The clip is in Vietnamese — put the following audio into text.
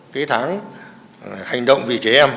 cái tháng hành động vì trẻ em